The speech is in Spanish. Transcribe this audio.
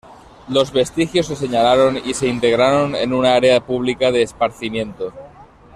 Los vestigios se señalaron y se integraron en un área pública de esparcimiento.